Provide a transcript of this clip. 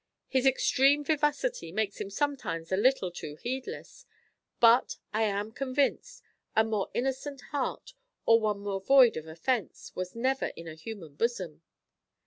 His extreme vivacity makes him sometimes a little too heedless; but, I am convinced, a more innocent heart, or one more void of offence, was never in a human bosom."